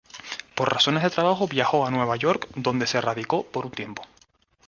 Por razones de trabajo viajó a Nueva York, donde se radicó por un tiempo.